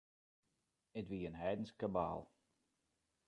It wie in heidensk kabaal.